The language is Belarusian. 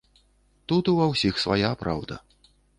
Тут ва ўсіх свая праўда.